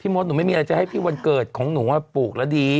มดหนูไม่มีอะไรจะให้พี่วันเกิดของหนูปลูกแล้วดี